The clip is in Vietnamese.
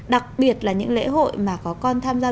đặc biệt là những lễ hội mà có con tham gia